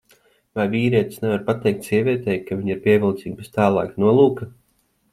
Vai vīrietis nevar pateikt sievietei, ka viņa ir pievilcīga bez tālāka nolūka?